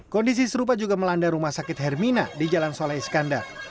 kondisi serupa juga melanda rumah sakit hermina di jalan soleh iskandar